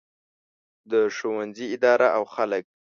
د ښوونځي اداره او خلک.